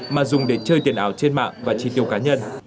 mà dùng để chơi tiền ảo trên mạng và chi tiêu cá nhân